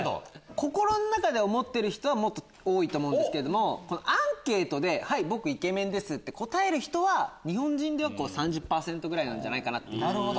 心の中で思ってる人はもっと多いと思うんですけどもアンケートで僕イケメンですって答える人は日本人では３０％ぐらいなんじゃないかな。